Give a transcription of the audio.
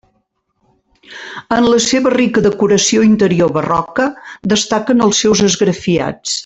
En la seua rica decoració interior barroca, destaquen els seus esgrafiats.